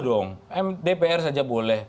dong mppr saja boleh